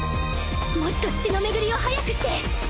もっと血の巡りを速くして